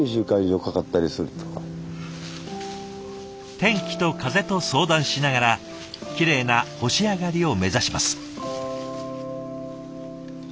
天気と風と相談しながらきれいな干し上がりを目指します。